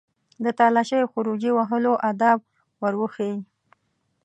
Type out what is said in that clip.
د تالاشۍ او خروجي وهلو آداب ور وښيي.